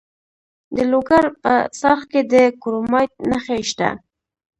د لوګر په څرخ کې د کرومایټ نښې شته.